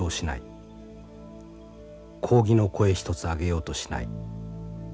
抗議の声一つ上げようとしない。